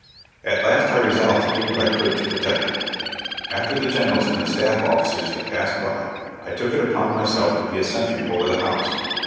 At last I resolved to do what I could to protect them. After the generals and the staff officers had passed by, I took it upon myself to be a sentry over the house.